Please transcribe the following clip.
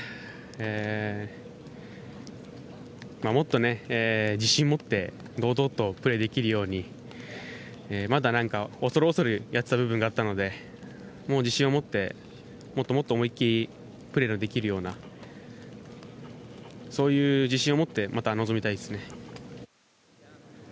もっと自信持って堂々とプレーできるようにまだ恐る恐るやってた部分があるので、自信を持ってもっともっと思いっきりプレーできるような、そういう自信を持ってまた臨みたいですね。